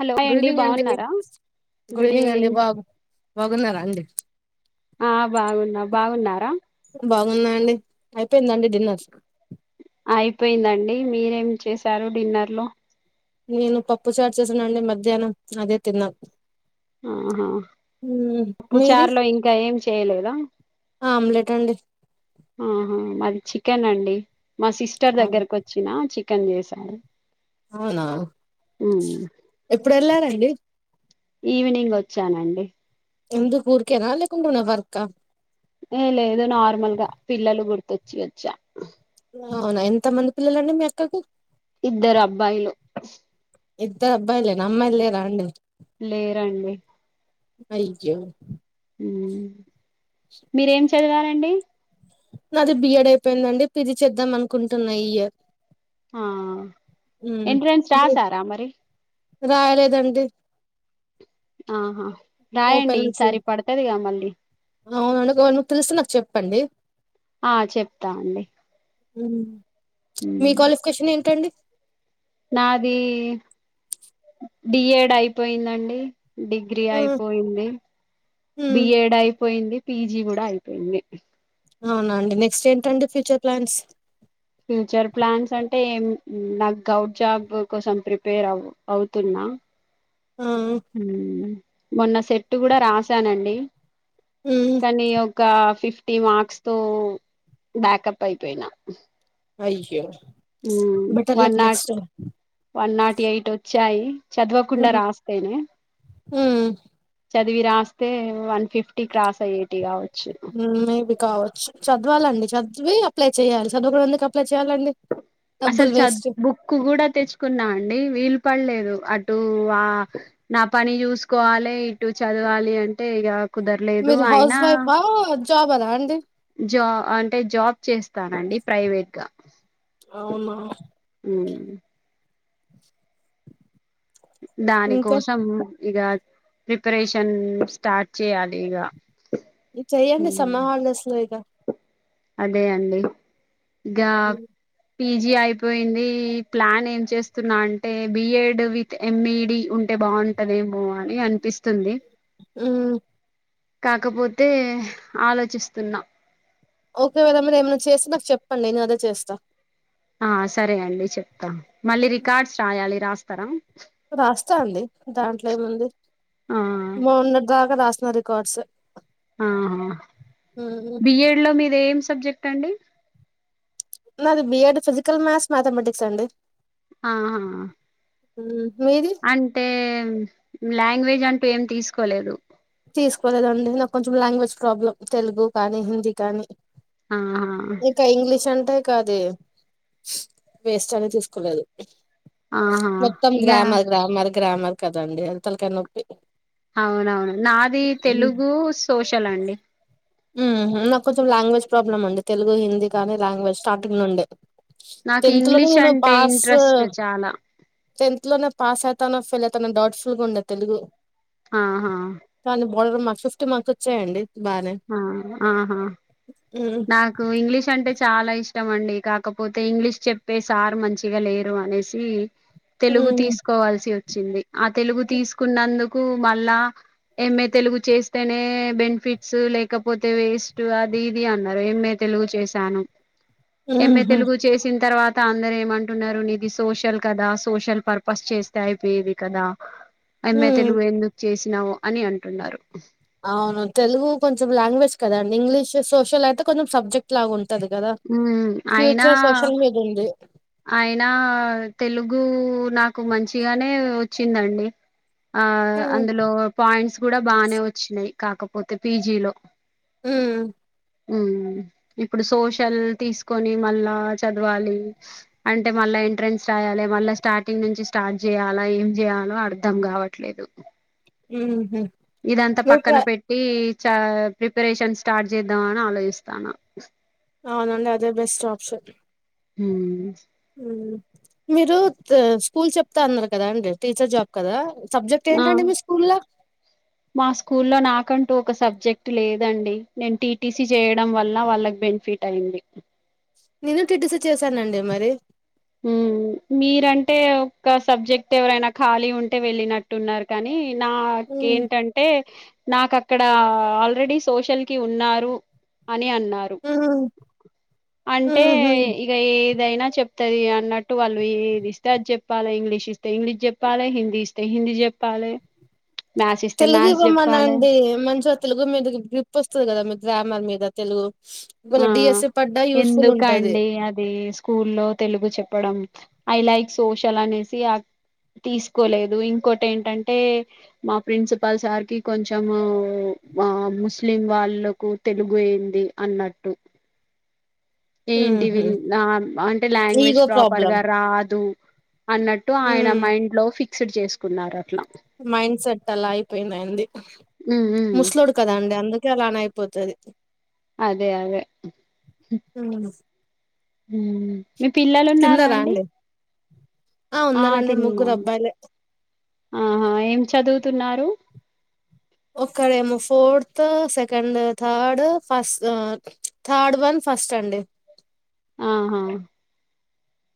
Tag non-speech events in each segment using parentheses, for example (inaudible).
Hello hi good evening అండి మీక్ బాగున్నారా గుడ్ ఈవినింగ్ అండి బాబు వగున్నారా అండి ఆ బాగున్నా బాగున్నారా బాగున్నా అండి అయిపోయింద అండి డిన్నర్ అ అయిపోయిందండి మీరేం చేశారు డిన్నర్ లో నేను పప్పు చాటు చేసాను అండి మధ్యాహ్నం అదే తిన్నాం ఆహా మ్మ్. అప్పు మీది చార్లో ఇంకా ఏం చేయలేదా ఆమ్లెట్ అండి ఆహా మాది చికెన్ అండి మా సిస్టర్ ఆ, దగ్గరకు వచ్చిన చి ఎం చేసను అవునా ఎప్పుడు వెళ్లారండి ఈవినింగ్ వచ్చానండి ఎందు కూూర్కేనా అళ్ళే కొండ పోన్నా వర్క ఏ లేదు నార్మల్గా పిల్లలు గుర్తొచ్చి వచ్చా అవునా ఎంత మంది పిల్లలండి మీ అక్కకు ఇద్దరు అబ్బాయిలు ఇద్దరు అబ్బాయిలేనా అమ్మాయిలు లేరా అండి లేరండి అఐగో మీరేం చదవాలండి నాది బిఎడ్ అయిపోయిందండి పిది చేద్దాం అనుకుంటున్నా ఈ ఇయర్ ఆ మ్మ్. ఎంట్రెన్స్ రా సారా మరి రాయలేదండి ఆహా రాయండి ఈసారి పడుతదిగా మళ్ళీ ఆ అవును (unintelligible) తెలిస్తే నాకు చెప్పండి ఆ చెప్తాండి లెనిన్ మీ క్వాలిఫికేషన్ ఏంటండి నాది డిఏడ్ అయిపోయిందండి డిగ్రీ ఆ! అయిపోయింది హ్మ్. డిఎడ్ అయి పోయింది పీజీ కూడా అయిపోయింది అవునా అండి నెక్స్ట్ ఏంటండి ఫ్యూచర్ ప్లాన్స్ ఫ్యూచర్ ప్లాన్స్ అంటేం నాకు గౌడ్ జాబ్ కోసం ప్రిపేర్ అవు అవుతున్నా ఆ! హ్మ్ మొన్న సెట్ కూడా రాసానండి హ్మ్. కానీ ఒక ఫిఫ్ టీ మార్క్స్ తో బ్యాకప్ అయిపోయినా అయ్యో హ్మ్ better one luck not next time. One not eight వచ్చాయి చదవకుండా హ్మ్. రాస్తేనే హ్మ్. చదివి రాస్తే వన్ ఫిఫ్టీ క్రాస్ అయ్యే టి కావచ్చు హ్మ్. మేబీ కావచ్చు చదవాలండి చదివి అప్లై చేయాలి చదువకుండ ఎందుకు అప్లై చేయాలండి అసలు డబ్బులు చ వేస్ట్. బుక్ కూడా తెచ్చుకున్నా అండి వీలు పడలేదు అటు ఆ నా పని చూసుకోవాలి ఇటు చదవాలి అంటే ఇగ మీరు హౌస్ వైఫా జాబరా అండి జా అంటే జాబ్ చేస్తానండి ప్రైవేట్ గా అవునా దాని ఇంకా కోసం ఇగ ప్రిపరేషన్ స్టార్ట్ చేయాలి ఇక ఇ చెయ్యడి సమాహళస్లో ఇద అదే అండి గా హ్మ్. పీజీ అయిపోయింది ప్లాన్ ఏం చేస్తున్నా అంటే బిఎడ్ విత్ ఎంఈడి ఉంటే బాగుంటదేమో అని అ పిస్తుంది హ్మ్. కాకపోతే ఆలోచిస్తున్నా ఒకేవేళ మీద ఏమైన్నా చేస్తే నాకు చెప్పండి నేను అదే చేస్తాను ఆ సరే అండి చెప్తా మళ్ళీ రికార్డ్స్ రాయాలి రాస్తారా రాస్తా అండి దాంట్లో ఏముంది ఆ మన్నటి దాకా రాస్తా రికార్డ్స్ ఆహా హ్మ్. బిఎడ్లో ఇదేం సబ్జెక్ట్ అండి నాది బియడ్ ఫిజికల్ మా్యాథ్స్ మ్యాథమెటిక్స్ అండి ఆహా ఉ అంటే లాంగ్వేజ్ అంటూ ఏం తీసుకోలేదు తీసుకోలేదండి నాకు కొంచెం లాంగ్వేజ్ ప్రాబ్లం తెలుగు కానీ హిందీ కానీ ఆహా ఇకా ఇంగ్లిష అ అంటా కాదు వేస్ట్ అని తీసుకోలేదు ఆహా మొత్తం ఇగ గ్రామ గ్రామాల గ్రామర్ కదండి హళ్తలక నొప్పి అది ఉమ్ తెలుగు సోషల్ అండి నాకు కొంచెం లాంగ్వేజ్ ప్రాబ్లమ్ అండి తెలుగు హిందీ కానీ లాంగ్వేజ్ స్టార్టింగ్ నుండి నాకు ఇంగ్లీష్ అంటే ఇంట్రెస్ట్ చాలా టెన్త్ లోనే పాస్ అవుతానో ఫెయిల్ అవుతా డౌట్ఫుల్గా ఉండదు తెలుగు ఆహా ఆర్డర్ మ ఫిఫ్టీన్ మంత్ వచ్చాయండి బాగానే ఆహా నాకు ఇంగ్లీష్ అంటే చాలా ఇష్టం ఇష్టం అండి కాకపోతే ఇంగ్లీష్ చెప్పే సార్ మంచిగా లేరు అనేసి తెలుగు ఉమ్ తీసుకోవాల్సి వ వచ్చింది ఆ తెలుగు తీసుకున్నందుకు మళ్ళ ఎంఏ తెలుగు చేస్తేనే బెనిఫిట్ లేకపోతే వేస్ట్ అది ఇది అన్నారు ఏమే తెలుగు చేసాను ఎంఏ ఉహు తెలుగు చేసిన తర్వాత అందర ఏమంటున్నారు నిది సోషల్ కదా సోషల్ పర్పస్ చేస్తే అయిపోయేది కదా అమ్మా ఉమ్ తెలుగు ఎందుకు చేసి నవు అని అంటున్నారు అవును తెలుగు కొంచెం లాంగ్వేజ్ కదండి ఇంగ్లీష్ సోషల్ అయితే కొంచెం సబ్జెక్ట్ లాగా ఉంటుంది వది కదా హ్మ్ ఫ్యూచర్ సోషల్ మీద ఉంది ఆయనా తెలుగు నాకు మంచిగానే వచ్చిందండి ఆ హ్మ్ అందులో పాయింట్స్ కూడా బాగానే వచ్చినాయి కాకపోతే పీజీ లో హు హా హ ఇప్పుడు సోషల్ తీసుకొని మళ్ళా చదవాలి అంటే మళ్ళా ఎంట్రెన్స్ రాయాలి మళ్ళా స్టార్టింగ్ నుంచి స్టార్ట్ చేయాలా ఏం చేయ్యాలో అర్ధం కావట్లేదు ఊహూ ఇదంతా మీరు ప్ర పక్కన పెట్టి చ ప్రిపరేషన్ స్టార్ట్ చేద్దామ అని ఆలోచిస్తాన అవునండి అదే బెస్ట్ ఆప్షన్ హు మ్ మీరు స్కూల్ చెప్తా అన్నారు కదా అండి టీచర్ జాబ్ కదా సబ్జెక్ట్ ఆ ఏంటండి మీ స్కూల్లో మా స్కూల్లో నాకం ఒక సబ్జెక్ట్ లేదండి నేను టీటీసీ చేయడం వల్ల వాళ్ళకి బెనిఫిట్ అయింది నేను టిటిసి చేశానండి మరి ఉ మీరంటే ఒక సబ్జెక్ట్ ఎవరైనా ఖాళీ ఉంటే వెళ్ళినట్టున్నారు కానీ నాక్ హ్మ్ ఏంటంటే నాకు అక్కడ ఆల్రెడీ సోషల్ కి ఉన్నారు అని అన్నా న్నారు హ్మ్ అంటే ఊహూ ఇక ఏ ఇదైనా చెప్తుది అన్నట్టు వాళ్ళు ఏది ఇస్తే అది చెప్పలలే ఇంగ్లీష్ ఇస్తే ఇంగ్లీష్ చెప్పాలే హిందీ ఇస్తే హిందీ చెప్పాలే తెలుగు ఇవ్వమన్నా అండి మంచిగా తెలుగు మీద గ్రిప్ వస్తుంది కదా మీ గ్రామర్ మీద ఇద తెలు ఆ ఎందుక ఉంటది అండి అది స్కూల్లో తెలుగు చెప్పడం ఐ లైక్ సోషల్ అనేసి తీసుకోలేదు ఇంకోటి ఏంటంటే మా ప్రిన్సిపాల్ సార్కి కొంచెం ముస్లిం వాళ్ళకు తెలుగు ఏంది అన్నట్టు ఏంటివి ఊహూ అంటే లాంగ్వేజ్ ఈగో ప్రాబ్లం ప్రాపర్గా రాదు అన్నట్టు ఆయన ఉమ్ మైండ్ లో ఫిక్ పిక్స్డ్ చేసుకున్నారు అట్లా మైండ్ సెట్ అలా అయిపోయింది అండి ఉమ్ ఉమ్ ముసలోడు కదా అండి అందుక్ ఎలానో అయిపోతది అదే అదే హ్మ్. మ్మ్ మీ పిల్లలు ఉన్నారా అండి ఆ ఉన్నారండి ముగ్గురు తిన్నాను అబ్బాయిలే ఆహా ఏం చదువుతున్నారు ఒక్కడేమో fourth second third first third one first అండి ఆహా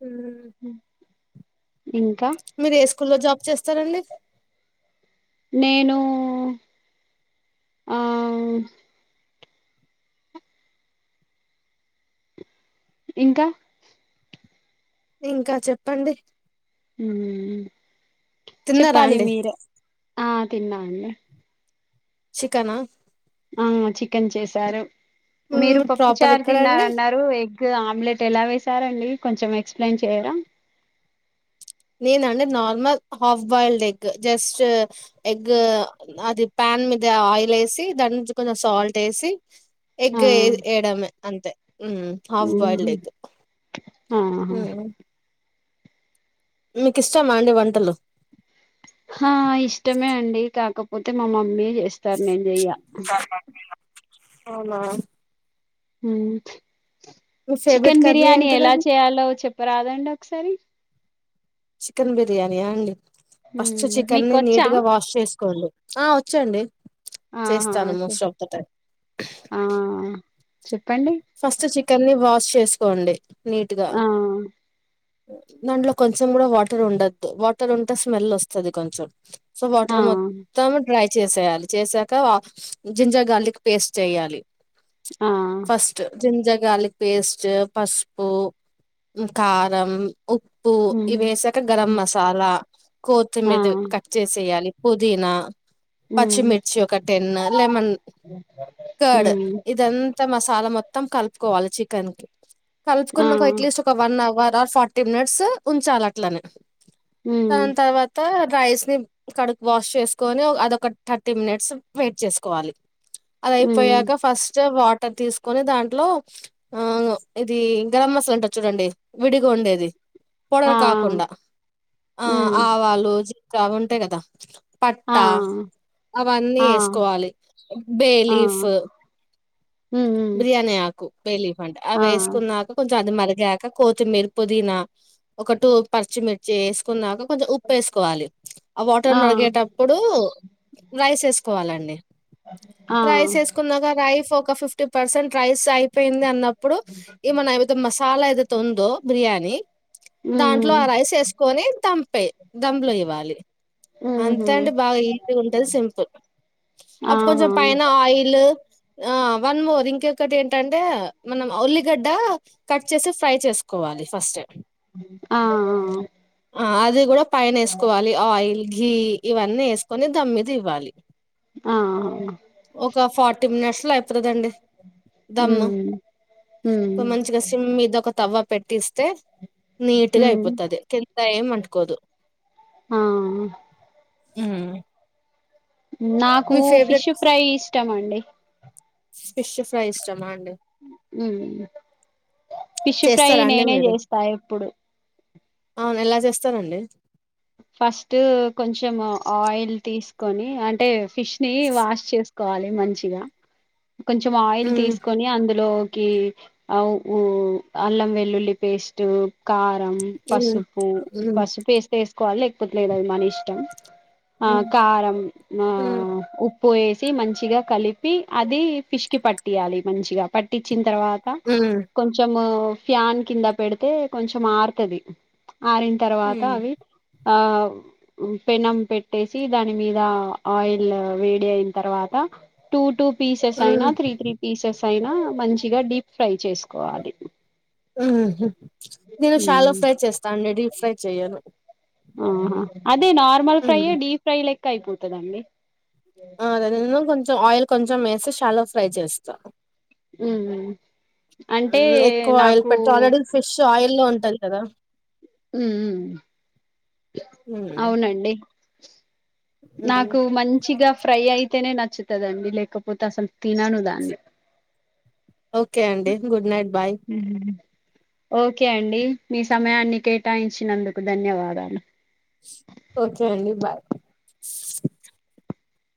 హు ఇంకా కుల్లో జాబ్ చేస్తారండి నేను ఆ ఇంకా ఇంకా చెప్పండి మ్మ్మ్ తిన్నారా చెప్పాలి అండి మీరే ఆ తిన్నా అండి చికనా ఆ చికెన్ చేసారు మీరు హ్మ్. పప్పు ప్రాపర్ చారు ఎక్కడ అండి తిన్నారన్నారు ఎగ్ గ్ ఆమ్లెట్ ఎలా వేసారండి కొంచెం ఎక్స్ప్లెయిన్ చెయ్యరా నేనా అండి normal half boiled egg just egg అది ప్యాన్ మీద ఆయిల్ ఏసి దాని నుంచి కొంచెం సాల్ట్ ఏసి ఆ ఎగ్ ఏయ్ ఎయిడమే అంతే ఉమ్ హఫ్ బాయిల్డ్ ఊహు ఎగ్ ఆహా మ్ మీకు ఇష్టామా అండి వంటలు ఓతే మా మమ్మీ చేస్తారు నేను చెయ్య అవునా మ్మ్ మీ ఫేవరెట్ చికెన్ కర్రీ బిర్యానీ ఎలా ఏంటిదండి చేయాలో చెప్పరాదండి ఒకసారి చికెన్ బిర్యానీ ఆ అండి ఫస్ట్ మ్మ్ చికెన్ ని మీకొచ్చా నీట్గా వాష్ చేసుకోండి ఆ వచ్చండి ఆహా చేస్తాను మోస్ట్ ఆఫ్ ద టైమ్ ఆ చెప్పండి కెన్ ని వాష్ చేసుకోండి నీట్ గా ఆ దాంట్లో కొంచెం కూడా వాటర్ ఉండద్దు వాటర్ ఉంటే స్మెల్ వస్తది కొంచెం సో ఆ వాటర్ మొత్తం డ్రై చేసేయాలి చేసాక జింజర్ గార్లిక్ పేస్ట్ వెయ్యాలి ఆ ఫస్ట్ జింజర్ గార్లిక్ పేస్ట్ పసుపు మ్ కారం ఉప్పు ఇవి మ్మ్ వేసాక గరం మసాలా ఆ కోతిమీద కట్ చేసి వెయ్యాలి పుదీనా మ్మ్ పచ్చిమిర్చి ఒక టెన్ లెమన్ కడ్ మ్మ్ ఇదంతా మసా మొత్తం కలుపుకోవాలి చికెన్ కి ఆ కలుపుకున్నక ఎట్లీస్ట్ ఒక one hour or forty minutes ఉంచాలి అట్లనే మ్మ్ దాన్ తర్వాత రైస్ ని కడుకు వాష్ చేసుకొని అదొక థర్టీ మినిట్స్ వెయిట్ చేసుకోవాలి అద హ్మ్ అయిపోయాక ఫస్ట్ వా త తీసు కొని దాంట్లో ఆ ఇది గరం మసాలా ఉంటది చూడండి విడిగా ఉండేది ఆ ఆ పొడర్ కాకుండా ఆ హ్మ్ ఆవాలు క్రావుంటాయి కదా ఆ పట్టా అవన్నీ ఆ వేసుకోవాలి ఆ బేలీఫ్ హ్మ్ హ్మ్. బిర్యాని ఆక్ కు బేలీఫ్ అంట అవి ఆ వేసుకున్నాక కొంచెం అది మర్ గాక కొతిమీర పుదీనా ఒక టు పర్చిమిర్చి వేసుకున్నాక కొంచెం ఉప్పు వేసుకోవాలి ఆ వాటర్ మరిగేటప్పుడు రైస్ ఏస్కోవాలండి ఆ రైస్ ఏసుకున్నాక రైఫ్ ఒక్ ఒక ఫిఫ్ట్ ఫిఫ్టీ పర్సెంట్ రైస్ ఆయి అపోయింది అన్నప్పుడు ఈ మనా ఏమతే మసాలా ఏదైతే ఉందో బిర్యానీ దాంట్లో హ్మ్ ఆ రైస్ వేసుకొని దంపే దంపలో ఇవ్వాలి అంత ఊహూ అంటే బాగా ఈజీగా ఉంటది సింపుల్ అప్పు ఆహా కొంచెం పైన ఆయిల్ ఆ వన్ మోర్ ఇంకొకటి ఏంటంటే మనం ఉల్లిగడ్డ కట్ చేసి ఫ్రై చేస్ ఆ ఆ అది కూడా పైన ఏసుకోవాలి ఆయిల్ ఘీ ఇవన్నీ ఏసుకొని దమ్ మీద ఇవ్వాలి ఆ ఆహా! ఒక ఫార్టీ మినట్స్ పత్రదండి దమ్ము హ్మ్ హ్మ్ ఒక మంచిగా సిమ్ మీద ఒక తవ్వ పెట్టి ఇస్తే నీట్గా హ్మ్ అయిపోతది కింద ఏం అంటుకోదు ఆ హ్మ్ నాకు ఫిష్ ఫ్రై ఇష్టం అండి ఫిష్ ఫ్రై ఇష్టమా అం హ్మ్ ఫిష్ ఫ్రై చేస్తారా నేనే చేస్తా ఎప్పుడు అవునా ఎలా చేస్తారండి ఫస్ట్ కొంచెం ఆయిల్ తీసుకొని అంటే ఫిష్ ని వాష్ చేస్ కోవాలి మంచిగా కొంచం ఆయిల్ మ్మ్ తీసుకొని అందులో కి అ ఉ అల్లం వెల్లుల్లి పేస్ట్ కా రం మ్మ్ పసుపు మ్మ్ పసుపు ఎస్తే ఎస్ కోవాలి లేకపోతేలేదు అది మన ఇష్టం ఆ కారం ఆ మ్మ్ ఉ ప్పుయేసి మంచిగా కలిపి అది ఫిష్ కి పట్టియాలి మంచిగా పట్టించి తర్వాత మ్మ్ కొంచము ఫ్యాన్ కింద పెడితే కొంచెం ఆరుతది ఆరిన తర్వాత మ్మ్ అవి ఆ పెనం పెట్టేసి దాని మీద ఆయిల్ వేడి అయిన తర్వాత టూ టూ పీసెస్ మ్మ్ అయినా త్రీ త్రీ పీసెస్ అయినా మంచిగా డీప్ ఫ్రై చేసుకోవాలి, ఉమ్ హూ నేను షాలో హ్మ్ ఫ్రై చేస్తానండి డీప్ ఫ్రై చేయను అహా అద్ ది నార్మల్ ఫ్రై యే డీఫ్రై లెక్ క అయిపోతదండి. ఆ అదిఅదేమో కొంచం ఆయిల్ కొంచెం వేసి షాలో ఫ్రై చేస్తా హ్మ్ అంటే హ్మ్ ఎక్కువ ఆయిల్ నాకు పెట ఆల్రెడీ ఫిష్ ఆయిల్ లో ఉం టది కదా ఉమ్ మ్మ్, అవునండి మ్మ్. నాకు మంచిగా ఫ్రై అయితేనే నచ్చుతదండి లేకపోతే అసలు తినను దాన్ని ఓకే అండి గుడ్ నైట్ బాయ్ హ్మ్. ఓకే అండి మీ సమయాన్ని కేటాయించినందుకు ధన్యవాదాలు ఓకే అండి బాయ్